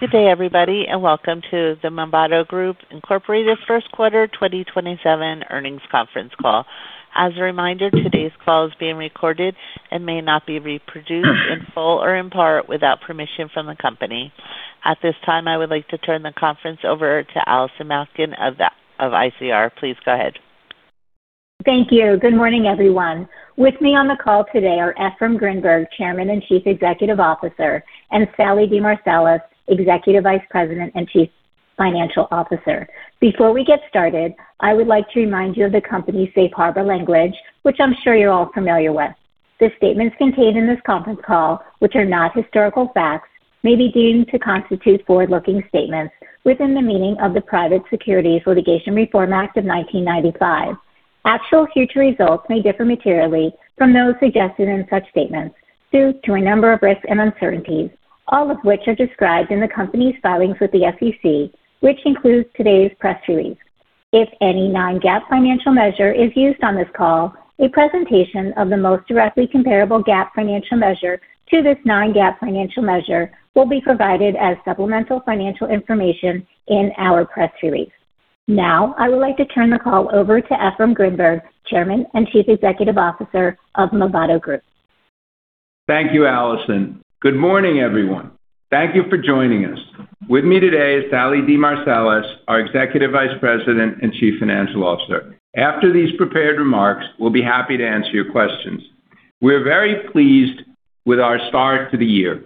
Good day everybody, and welcome to the Movado Group, Inc. First Quarter 2027 earnings conference call. As a reminder, today's call is being recorded and may not be reproduced in full or in part without permission from the company. At this time, I would like to turn the conference over to Allison Malkin of ICR. Please go ahead. Thank you. Good morning, everyone. With me on the call today are Efraim Grinberg, Chairman and Chief Executive Officer, and Sallie DeMarsilis, Executive Vice President and Chief Financial Officer. Before we get started, I would like to remind you of the company's safe harbor language, which I'm sure you're all familiar with. The statements contained in this conference call, which are not historical facts, may be deemed to constitute forward-looking statements within the meaning of the Private Securities Litigation Reform Act of 1995. Actual future results may differ materially from those suggested in such statements due to a number of risks and uncertainties, all of which are described in the company's filings with the SEC, which includes today's press release. If any non-GAAP financial measure is used on this call, a presentation of the most directly comparable GAAP financial measure to this non-GAAP financial measure will be provided as supplemental financial information in our press release. Now, I would like to turn the call over to Efraim Grinberg, Chairman and Chief Executive Officer of Movado Group. Thank you, Allison. Good morning, everyone. Thank you for joining us. With me today is Sallie DeMarsilis, our Executive Vice President and Chief Financial Officer. After these prepared remarks, we'll be happy to answer your questions. We are very pleased with our start to the year.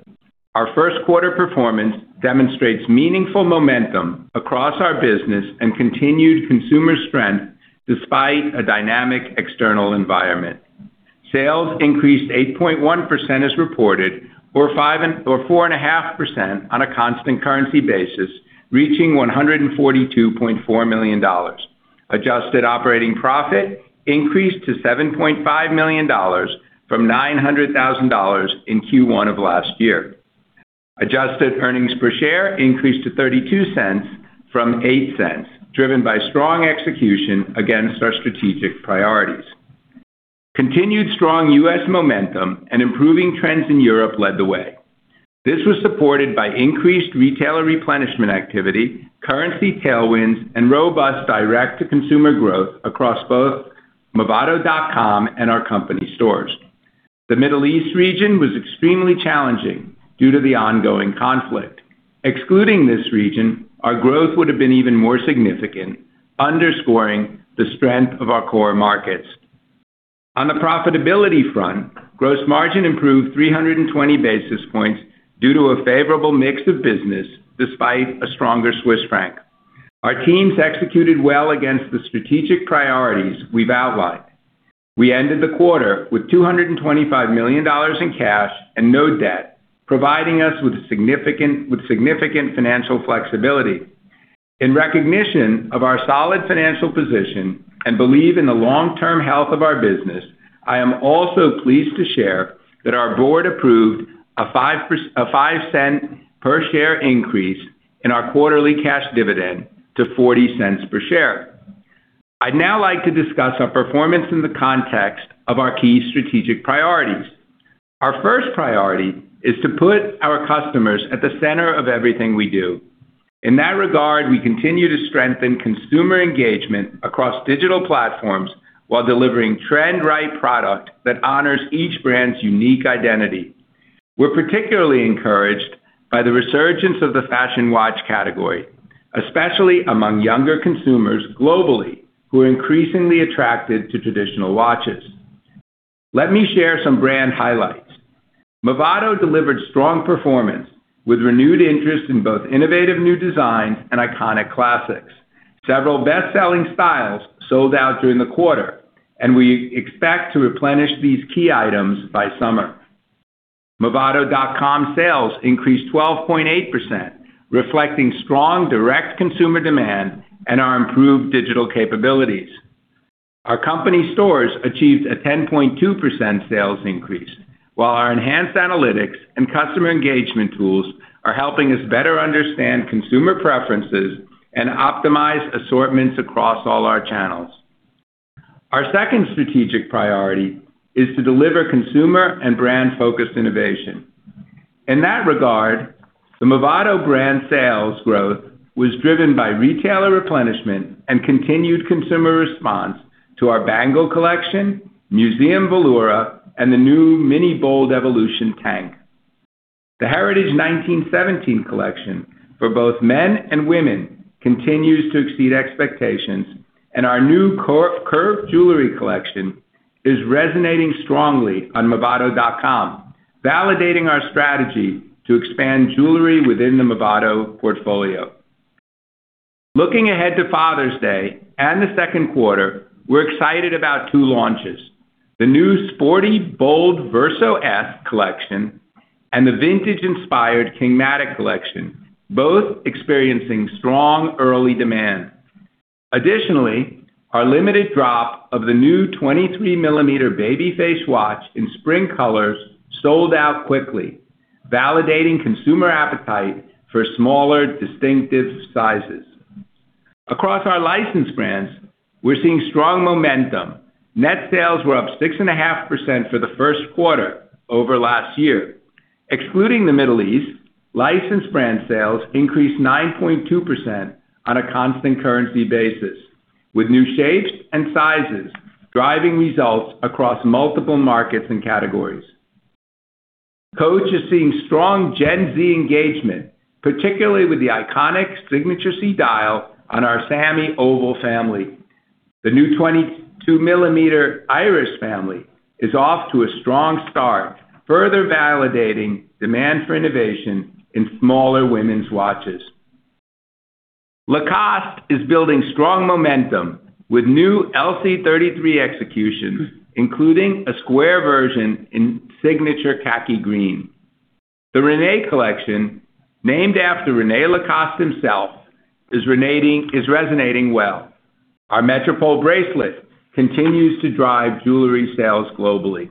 Our first quarter performance demonstrates meaningful momentum across our business and continued consumer strength despite a dynamic external environment. Sales increased 8.1% as reported, or 4.5% on a constant currency basis, reaching $142.4 million. Adjusted operating profit increased to $7.5 million from $900,000 in Q1 of last year. Adjusted earnings per share increased to $0.32 from $0.08, driven by strong execution against our strategic priorities. Continued strong U.S. momentum and improving trends in Europe led the way. This was supported by increased retailer replenishment activity, currency tailwinds, and robust direct-to-consumer growth across both movado.com and our company stores. The Middle East region was extremely challenging due to the ongoing conflict. Excluding this region, our growth would have been even more significant, underscoring the strength of our core markets. On the profitability front, gross margin improved 320 basis points due to a favorable mix of business despite a stronger Swiss franc. Our teams executed well against the strategic priorities we've outlined. We ended the quarter with $225 million in cash and no debt, providing us with significant financial flexibility. In recognition of our solid financial position and belief in the long-term health of our business, I am also pleased to share that our board approved a $0.05 per share increase in our quarterly cash dividend to $0.40 per share. I'd now like to discuss our performance in the context of our key strategic priorities. Our first priority is to put our customers at the center of everything we do. In that regard, we continue to strengthen consumer engagement across digital platforms while delivering trend right product that honors each brand's unique identity. We're particularly encouraged by the resurgence of the fashion watch category, especially among younger consumers globally, who are increasingly attracted to traditional watches. Let me share some brand highlights. Movado delivered strong performance with renewed interest in both innovative new designs and iconic classics. Several best-selling styles sold out during the quarter, and we expect to replenish these key items by summer. Movado.com sales increased 12.8%, reflecting strong direct consumer demand and our improved digital capabilities. Our company stores achieved a 10.2% sales increase, while our enhanced analytics and customer engagement tools are helping us better understand consumer preferences and optimize assortments across all our channels. Our second strategic priority is to deliver consumer and brand-focused innovation. In that regard, the Movado brand sales growth was driven by retailer replenishment and continued consumer response to our Bangles Collection, Museum Velura, and the new Mini BOLD Evolution Tank. The Heritage 1917 collection for both men and women continues to exceed expectations, and our new curved jewelry collection is resonating strongly on movado.com, validating our strategy to expand jewelry within the Movado portfolio. Looking ahead to Father's Day and the second quarter, we're excited about two launches, the new sporty BOLD Verso S Collection and the vintage-inspired Kingmatic Collection, both experiencing strong early demand. Additionally, our limited drop of the new 23 mm Baby Face watch in spring colors sold out quickly, validating consumer appetite for smaller, distinctive sizes. Across our licensed brands, we're seeing strong momentum. Net sales were up 6.5% for the first quarter over last year. Excluding the Middle East, licensed brand sales increased 9.2% on a constant currency basis, with new shapes and sizes driving results across multiple markets and categories. Coach is seeing strong Gen Z engagement, particularly with the iconic Signature C dial on our Sammy Oval family. The new 22 mm Iris family is off to a strong start, further validating demand for innovation in smaller women's watches. Lacoste is building strong momentum with new LC33 executions, including a square version in signature khaki green. The René Collection, named after René Lacoste himself, is resonating well. Our Metropole bracelet continues to drive jewelry sales globally.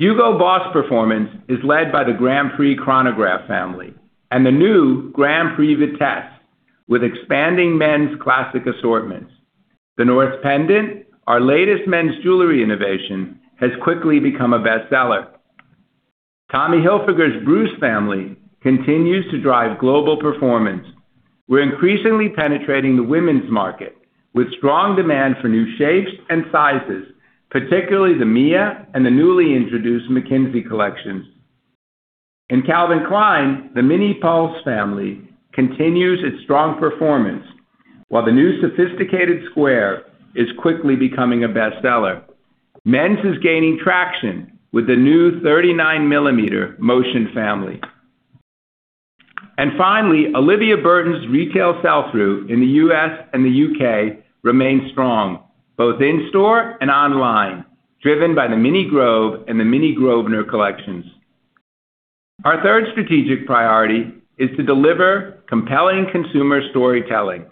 HUGO BOSS performance is led by the Grand Prix Chronograph family and the new Grand Prix Vitesse, with expanding men's classic assortments. The North pendant, our latest men's jewelry innovation, has quickly become a bestseller. Tommy Hilfiger's Bruce family continues to drive global performance. We're increasingly penetrating the women's market with strong demand for new shapes and sizes, particularly the Mia and the newly introduced Mackenzie Collections. In Calvin Klein, the Mini Pulse family continues its strong performance, while the new Sophisticated Square is quickly becoming a bestseller. Men's is gaining traction with the new 39 mm Motion family. Finally, Olivia Burton's retail sell-through in the U.S. and the U.K. remains strong, both in-store and online, driven by the Mini Grove and the Mini Grosvenor Collections. Our third strategic priority is to deliver compelling consumer storytelling.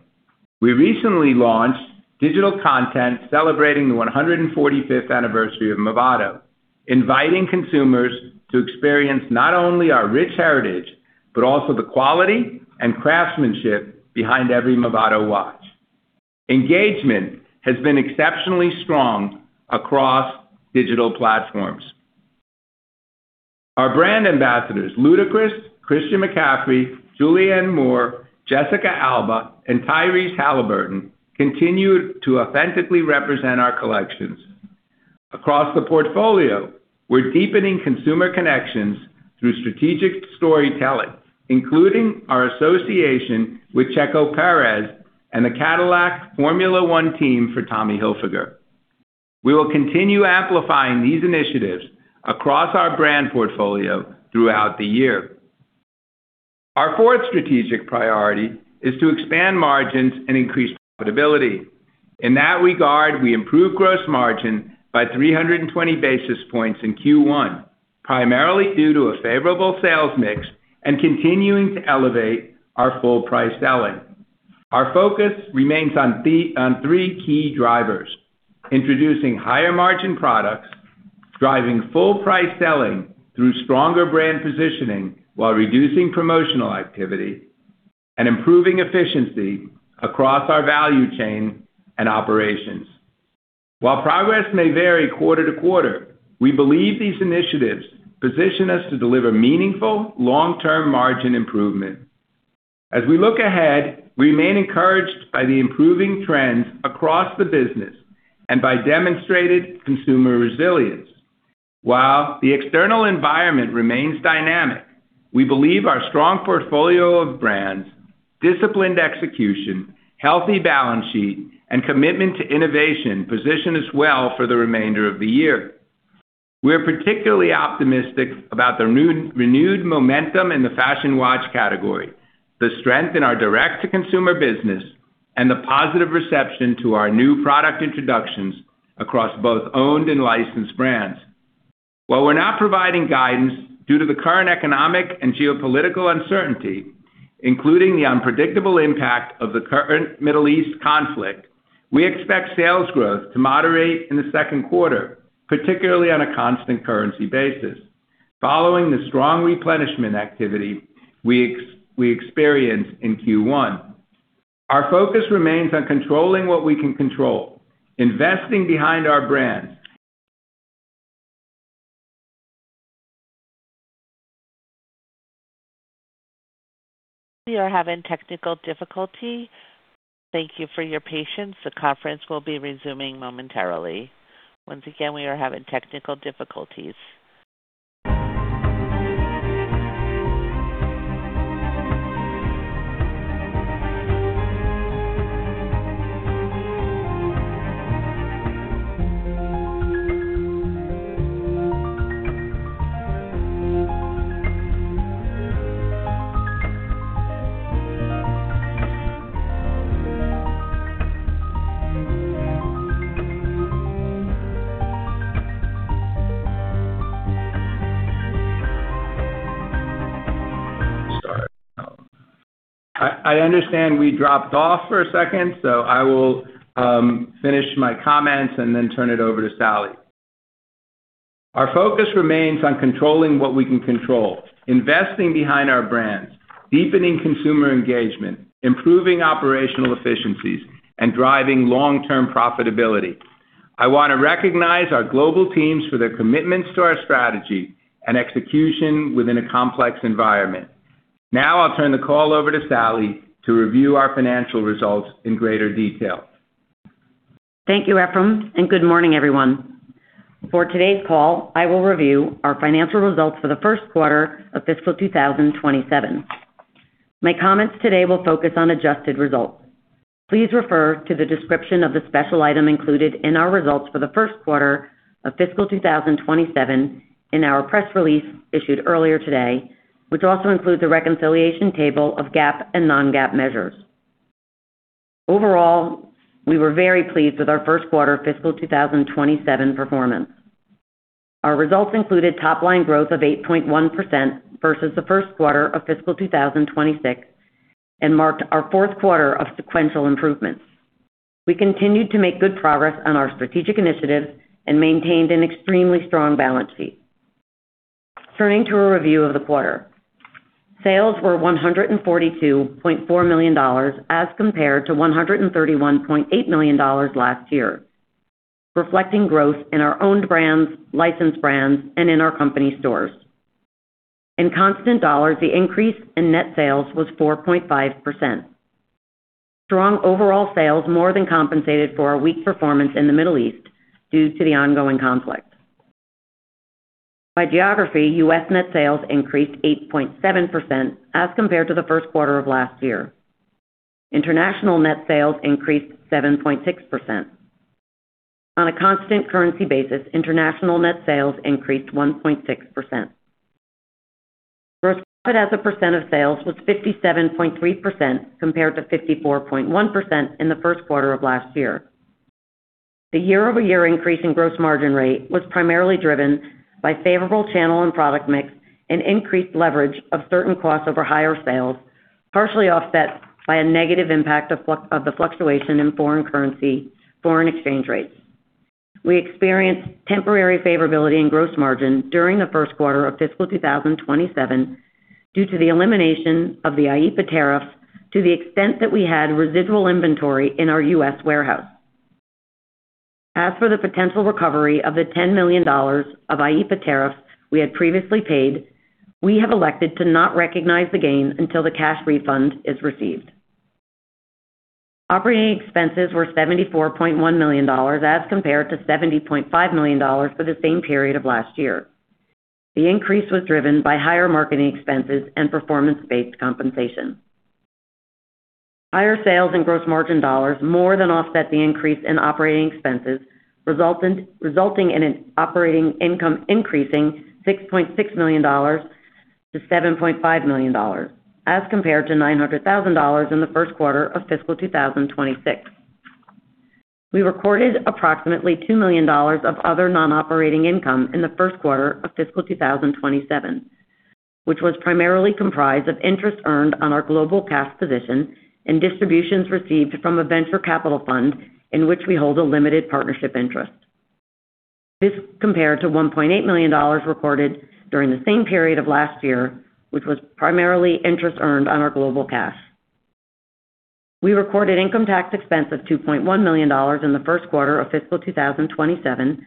We recently launched digital content celebrating the 145th anniversary of Movado, inviting consumers to experience not only our rich heritage, but also the quality and craftsmanship behind every Movado watch. Engagement has been exceptionally strong across digital platforms. Our brand ambassadors, Ludacris, Christian McCaffrey, Julianne Moore, Jessica Alba, and Tyrese Haliburton, continue to authentically represent our collections. Across the portfolio, we're deepening consumer connections through strategic storytelling, including our association with Checo Pérez and the Cadillac Formula 1 Team for Tommy Hilfiger. We will continue amplifying these initiatives across our brand portfolio throughout the year. Our fourth strategic priority is to expand margins and increase profitability. In that regard, we improved gross margin by 320 basis points in Q1, primarily due to a favorable sales mix and continuing to elevate our full price selling. Our focus remains on three key drivers, introducing higher-margin products, driving full-price selling through stronger brand positioning while reducing promotional activity, and improving efficiency across our value chain and operations. While progress may vary quarter to quarter, we believe these initiatives position us to deliver meaningful long-term margin improvement. As we look ahead, we remain encouraged by the improving trends across the business and by demonstrated consumer resilience. While the external environment remains dynamic, we believe our strong portfolio of brands, disciplined execution, healthy balance sheet, and commitment to innovation position us well for the remainder of the year. We are particularly optimistic about the renewed momentum in the fashion watch category, the strength in our direct-to-consumer business, and the positive reception to our new product introductions across both owned and licensed brands. While we're not providing guidance due to the current economic and geopolitical uncertainty, including the unpredictable impact of the current Middle East conflict, we expect sales growth to moderate in the second quarter, particularly on a constant currency basis, following the strong replenishment activity we experienced in Q1. Our focus remains on controlling what we can control, investing behind our brands— We are having technical difficulty. Thank you for your patience. The conference will be resuming momentarily. Once again, we are having technical difficulties. I understand we dropped off for a second. I will finish my comments and then turn it over to Sallie. Our focus remains on controlling what we can control, investing behind our brands, deepening consumer engagement, improving operational efficiencies, and driving long-term profitability. I want to recognize our global teams for their commitments to our strategy and execution within a complex environment. I'll turn the call over to Sallie to review our financial results in greater detail. Thank you, Efraim, and good morning, everyone. For today's call, I will review our financial results for the first quarter of fiscal 2027. My comments today will focus on adjusted results. Please refer to the description of the special item included in our results for the first quarter of fiscal 2027 in our press release issued earlier today, which also includes a reconciliation table of GAAP and non-GAAP measures. Overall, we were very pleased with our first quarter fiscal 2027 performance. Our results included top-line growth of 8.1% versus the first quarter of fiscal 2026 and marked our fourth quarter of sequential improvements. We continued to make good progress on our strategic initiatives and maintained an extremely strong balance sheet. Turning to a review of the quarter. Sales were $142.4 million as compared to $131.8 million last year, reflecting growth in our own brands, licensed brands, and in our company stores. In constant dollars, the increase in net sales was 4.5%. Strong overall sales more than compensated for our weak performance in the Middle East due to the ongoing conflict. By geography, U.S. net sales increased 8.7% as compared to the first quarter of last year. International net sales increased 7.6%. On a constant currency basis, international net sales increased 1.6%. Gross profit as a percentage of sales was 57.3%, compared to 54.1% in the first quarter of last year. The year-over-year increase in gross margin rate was primarily driven by favorable channel and product mix and increased leverage of certain costs over higher sales, partially offset by a negative impact of the fluctuation in foreign currency, foreign exchange rates. We experienced temporary favorability in gross margin during the first quarter of fiscal 2027 due to the elimination of the IEEPA tariffs to the extent that we had residual inventory in our U.S. warehouse. As for the potential recovery of the $10 million of IEEPA tariffs we had previously paid, we have elected to not recognize the gain until the cash refund is received. Operating expenses were $74.1 million as compared to $70.5 million for the same period of last year. The increase was driven by higher marketing expenses and performance-based compensation. Higher sales and gross margin dollars more than offset the increase in operating expenses, resulting in an operating income increasing $6.6 million to $7.5 million as compared to $900,000 in the first quarter of fiscal 2026. We recorded approximately $2 million of other non-operating income in the first quarter of fiscal 2027, which was primarily comprised of interest earned on our global cash position and distributions received from a venture capital fund in which we hold a limited partnership interest. This compared to $1.8 million recorded during the same period of last year, which was primarily interest earned on our global cash. We recorded income tax expense of $2.1 million in the first quarter of fiscal 2027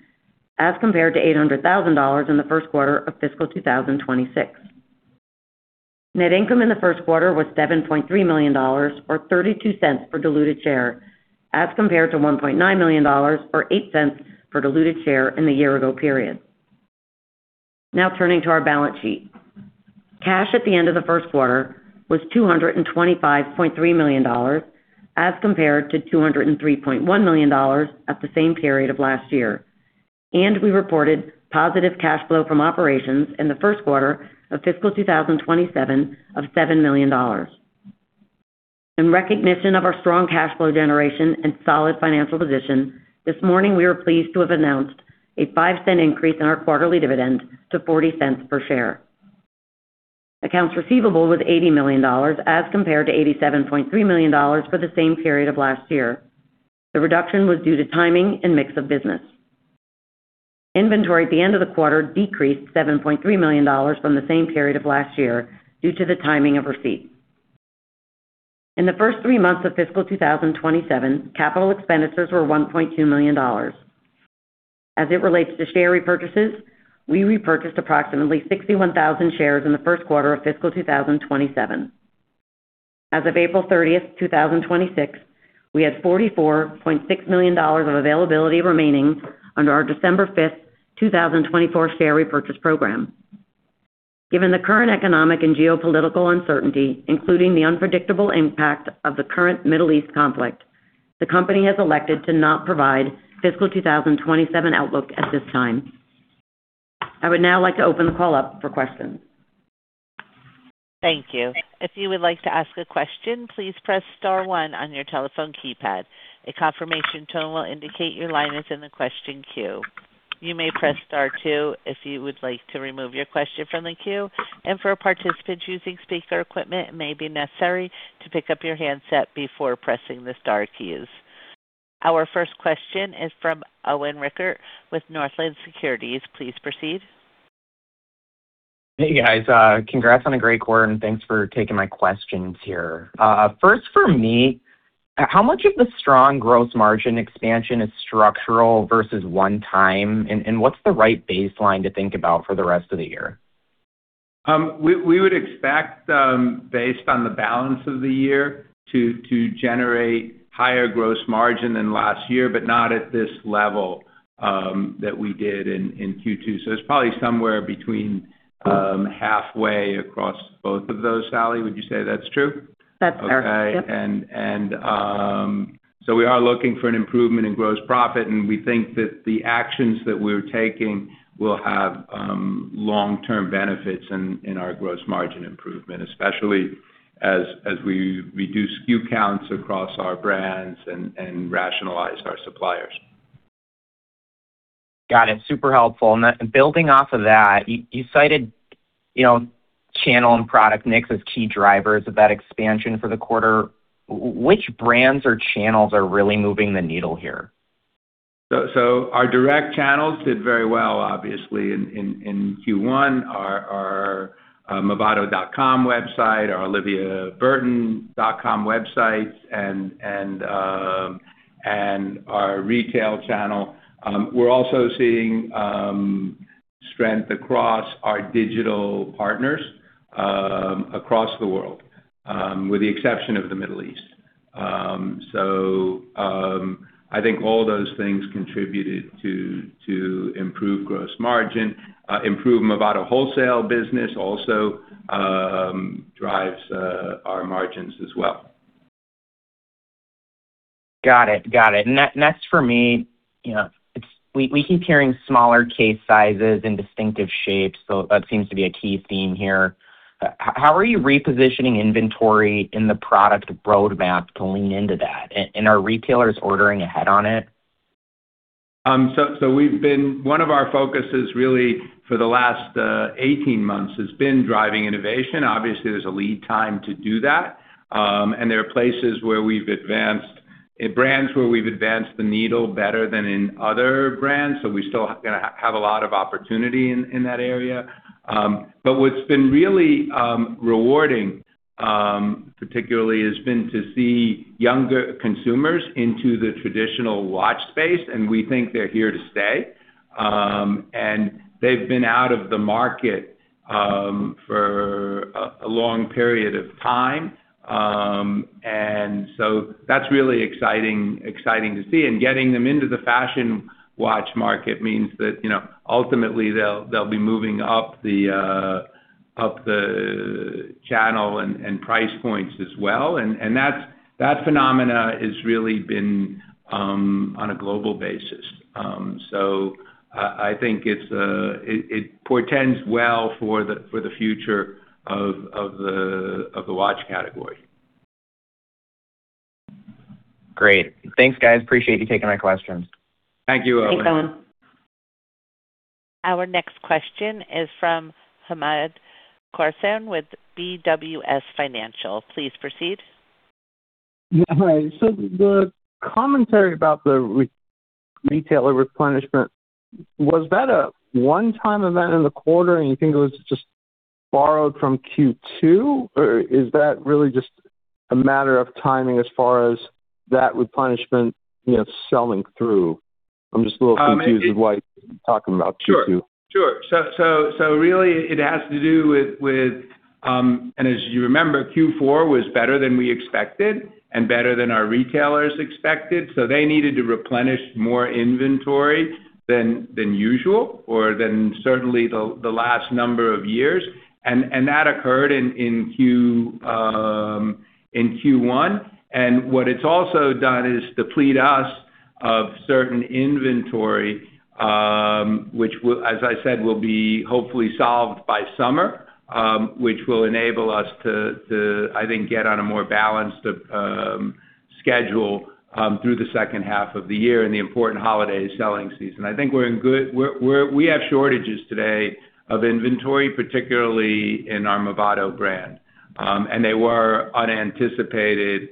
as compared to $800,000 in the first quarter of fiscal 2026. Net income in the first quarter was $7.3 million, or $0.32 per diluted share as compared to $1.9 million or $0.08 per diluted share in the year-ago period. Now turning to our balance sheet. Cash at the end of the first quarter was $225.3 million as compared to $203.1 million at the same period of last year, and we reported positive cash flow from operations in the first quarter of fiscal 2027 of $7 million. In recognition of our strong cash flow generation and solid financial position, this morning, we are pleased to have announced a $0.05 increase in our quarterly dividend to $0.40 per share. Accounts receivable was $80 million as compared to $87.3 million for the same period of last year. The reduction was due to timing and mix of business. Inventory at the end of the quarter decreased $7.3 million from the same period of last year due to the timing of receipt. In the first three months of fiscal 2027, capital expenditures were $1.2 million. As it relates to share repurchases, we repurchased approximately 61,000 shares in the first quarter of fiscal 2027. As of April 30th, 2026, we had $44.6 million of availability remaining under our December 5th, 2024 share repurchase program. Given the current economic and geopolitical uncertainty, including the unpredictable impact of the current Middle East conflict, the company has elected to not provide fiscal 2027 outlook at this time. I would now like to open the call up for questions. Thank you. If you would like to ask a question, please press star one on your telephone keypad. A confirmation tone will indicate your line is in the question queue. You may press star two if you would like to remove your question from the queue. For participants using speaker equipment, it may be necessary to pick up your handset before pressing the star keys. Our first question is from Owen Rickert with Northland Securities. Please proceed. Hey, guys. Congrats on a great quarter, and thanks for taking my questions here. First for me, how much of the strong gross margin expansion is structural versus one-time, and what's the right baseline to think about for the rest of the year? We would expect, based on the balance of the year, to generate higher gross margin than last year, but not at this level that we did in Q2. It's probably somewhere between halfway across both of those. Sallie, would you say that's true? That's fair. Yep. Okay. We are looking for an improvement in gross profit, and we think that the actions that we're taking will have long-term benefits in our gross margin improvement, especially as we reduce SKU counts across our brands and rationalize our suppliers. Got it. Super helpful. Building off of that, you cited channel and product mix as key drivers of that expansion for the quarter. Which brands or channels are really moving the needle here? Our direct channels did very well, obviously, in Q1. Our movado.com website, our oliviaburton.com websites, and our retail channel. We're also seeing strength across our digital partners across the world, with the exception of the Middle East. I think all those things contributed to improve gross margin. Improved Movado wholesale business also drives our margins as well. Got it. Next for me, we keep hearing smaller case sizes and distinctive shapes. That seems to be a key theme here. How are you repositioning inventory in the product roadmap to lean into that? Are retailers ordering ahead on it? One of our focuses really for the last 18 months has been driving innovation. Obviously, there's a lead time to do that. There are places where in brands we've advanced the needle better than in other brands. We still have a lot of opportunity in that area. What's been really rewarding, particularly, has been to see younger consumers into the traditional watch space, and we think they're here to stay. They've been out of the market for a long period of time. That's really exciting to see. Getting them into the fashion watch market means that ultimately they'll be moving up the channel and price points as well. That phenomena has really been on a global basis. I think it portends well for the future of the watch category. Great. Thanks, guys. Appreciate you taking my questions. Thank you, Owen. Thanks, Owen. Our next question is from Hamed Khorsand with BWS Financial. Please proceed. Hi. The commentary about the retailer replenishment, was that a one-time event in the quarter, and you think it was just borrowed from Q2? Is that really just a matter of timing as far as that replenishment selling through? I'm just a little confused with what you're talking about, Q2. Sure. Really it has to do with, as you remember, Q4 was better than we expected and better than our retailers expected, so they needed to replenish more inventory than usual, or than certainly the last number of years. That occurred in Q1. What it's also done is deplete us of certain inventory, which, as I said, will be hopefully solved by summer, which will enable us to, I think, get on a more balanced schedule through the second half of the year and the important holiday selling season. I think we have shortages today of inventory, particularly in our Movado brand. They were unanticipated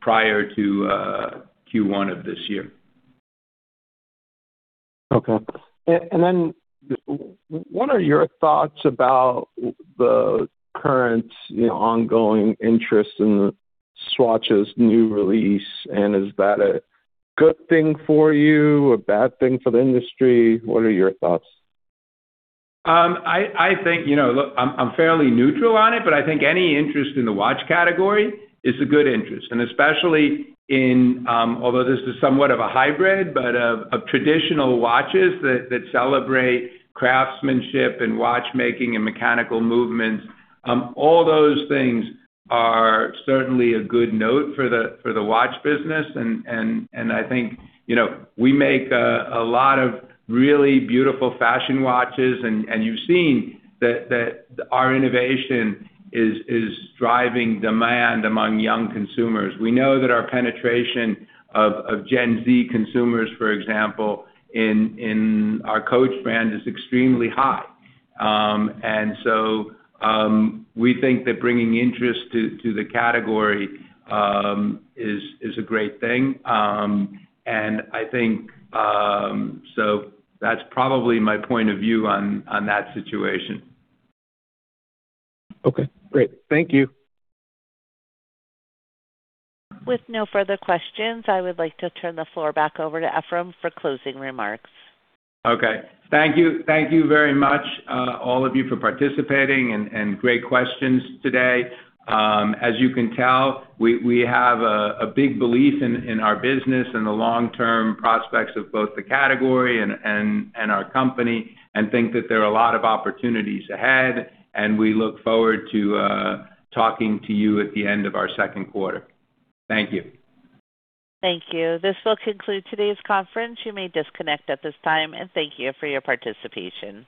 prior to Q1 of this year. Okay. Then what are your thoughts about the current ongoing interest in Swatch's new release? Is that a good thing for you, a bad thing for the industry? What are your thoughts? I think, look, I'm fairly neutral on it, but I think any interest in the watch category is a good interest, and especially in, although this is somewhat of a hybrid, but of traditional watches that celebrate craftsmanship and watchmaking and mechanical movements. All those things are certainly a good note for the watch business, and I think we make a lot of really beautiful fashion watches, and you've seen that our innovation is driving demand among young consumers. We know that our penetration of Gen Z consumers, for example, in our Coach brand is extremely high. We think that bringing interest to the category is a great thing. That's probably my point of view on that situation. Okay, great. Thank you. With no further questions, I would like to turn the floor back over to Efraim for closing remarks. Okay. Thank you very much all of you for participating, and great questions today. As you can tell, we have a big belief in our business and the long-term prospects of both the category and our company, and think that there are a lot of opportunities ahead, and we look forward to talking to you at the end of our second quarter. Thank you. Thank you. This will conclude today's conference. You may disconnect at this time. Thank you for your participation.